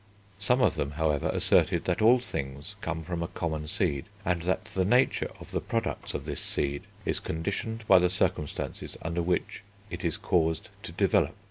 Some of them, however, asserted that all things come from a common seed, and that the nature of the products of this seed is conditioned by the circumstances under which it is caused to develop.